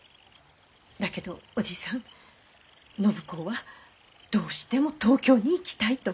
だけどおじさん暢子はどうしても東京に行きたいと。